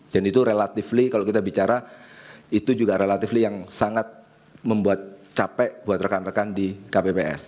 dan itu relatively kalau kita bicara itu juga relatively yang sangat membuat capek buat rekan rekan di kpps